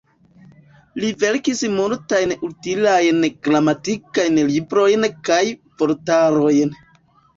Li verkis multajn utilajn gramatikajn librojn kaj vortarojn.